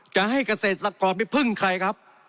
จะให้เกษตรกรไปพึ่งใครครับ